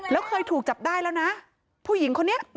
แต่เธอก็ไม่ละความพยายาม